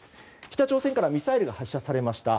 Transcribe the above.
北朝鮮からミサイルが発射されました。